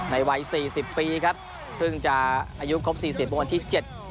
วัยสี่สิบปีครับเพิ่งจะอายุครบสี่สิบเมื่อวันที่๗